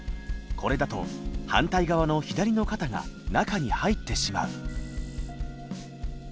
これだと反対側の左の肩が中に入ってしまう。